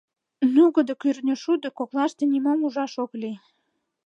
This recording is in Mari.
Нугыдо кӱртньышудо коклаште нимом ужаш ок лий.